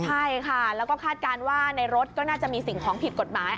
ใช่ค่ะแล้วก็คาดการณ์ว่าในรถก็น่าจะมีสิ่งของผิดกฎหมาย